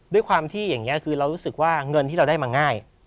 ด้วยความที่อย่างนี้คือเรารู้สึกว่าเงินที่เราได้มาง่าย